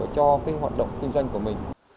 cho hoạt động kinh tế